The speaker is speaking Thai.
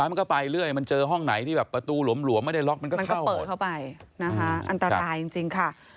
มันก็เปิดเข้าไปอันตรายจริงค่ะ